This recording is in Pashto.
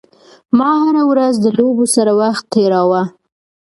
ما هره ورځ د لوبو سره وخت تېراوه.